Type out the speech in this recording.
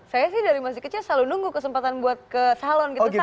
saya sih dari masih kecil selalu nunggu kesempatan buat ke salon gitu